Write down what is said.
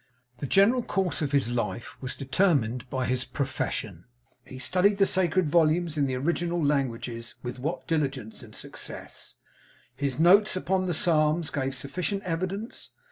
The general course of his life was determined by his profession; he studied the sacred volumes in the original languages; with what diligence and success, his Notes upon the Psalms give sufficient evidence.